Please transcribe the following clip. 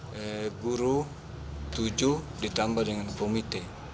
dari guru tujuh ditambah dengan komite